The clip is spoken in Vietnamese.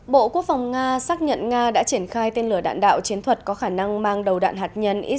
bộ quốc phòng nga xác nhận nga đã triển khai tên lửa đạn đạo chiến thuật có khả năng mang đầu đạn hạt nhân it